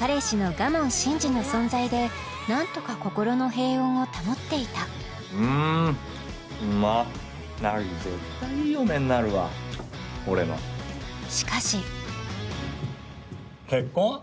彼氏の我聞慎二の存在でなんとか心の平穏を保っていたうんうまっ凪絶対いい嫁になるわ俺のしかし結婚？